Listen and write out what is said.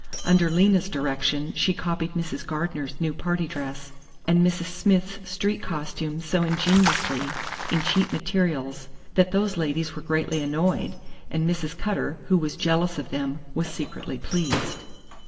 Under Lena's direction she copied Mrs. Gardener's new party dress and Mrs. Smith's street costume so ingeniously in cheap materials that those ladies were greatly annoyed, and Mrs. Cutter, who was jealous of them, was secretly pleased.